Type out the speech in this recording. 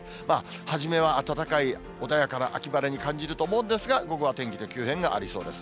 初めは暖かい穏やかな秋晴れに感じると思うんですが、午後は天気の急変がありそうです。